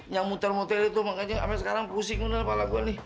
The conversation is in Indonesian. nyamuter motel itu makanya sampe sekarang pusing udah kepala gua nih